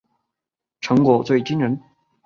成果最惊人